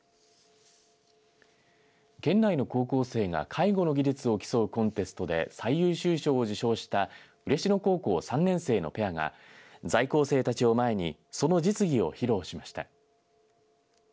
県内の高校生が介護の技術を競うコンテストで最優秀賞を受賞した嬉野高校３年生のペアが在校生たちを前にその実技を披露しました。